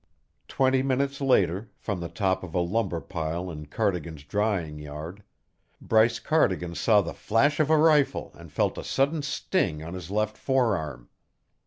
Twenty minutes later, from the top of a lumber pile in Cardigan's drying yard, Bryce Cardigan saw the flash of a rifle and felt a sudden sting on his left forearm.